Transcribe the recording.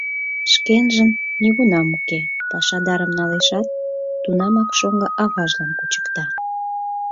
Шкенжын нигунам уке, пашадарым налешат, тунамак шоҥго аважлан кучыкта.